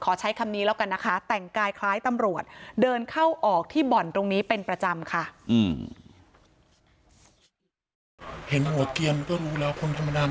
ใช้คำนี้แล้วกันนะคะแต่งกายคล้ายตำรวจเดินเข้าออกที่บ่อนตรงนี้เป็นประจำค่ะ